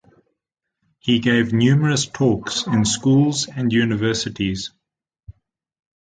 He gave numerous talks in schools and universities.